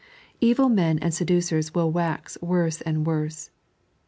Evil men and seducers will wax worse and worse.